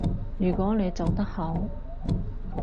如果你做得好